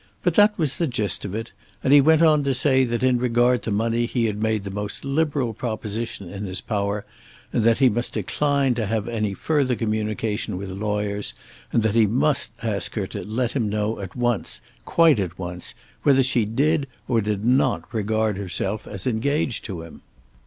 But that was the gist of it; and he went on to say that in regard to money he had made the most liberal proposition in his power, that he must decline to have any further communication with lawyers, and that he must ask her to let him know at once, quite at once, whether she did or did not regard herself as engaged to him.